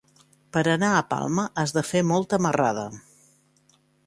Per anar a Palma has de fer molta marrada.